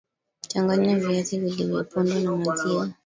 changanya viazi vilivyopondwa na maziwa